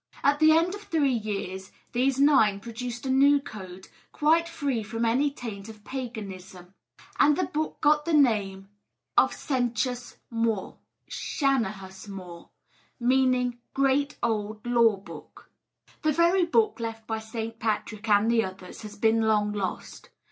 At the end of three years, these nine produced a new code, quite free from any taint of paganism: and this book got the name of Senchus Mór [Shannahus More], meaning 'Great old law book.' The very book left by St. Patrick and the others has been long lost.